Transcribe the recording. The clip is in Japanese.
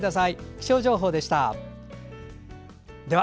気象情報でした。